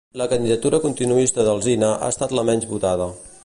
La candidatura continuista d'Alsina ha estat la menys votada.